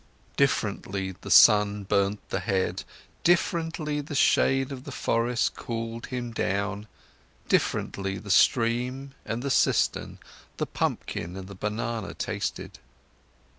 Differently the sun burnt the head, differently the shade of the forest cooled him down, differently the stream and the cistern, the pumpkin and the banana tasted.